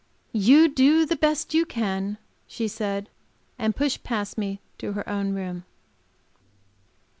"You do the best you can," she said, and pushed past me to her own room.